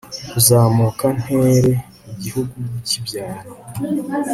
kuzamuka ntere igihugu cy ibyaro